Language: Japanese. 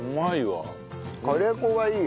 カレー粉がいい。